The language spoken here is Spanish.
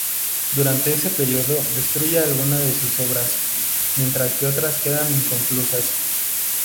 Durante este periodo destruye algunas de sus obras, mientras que otras quedan inconclusas.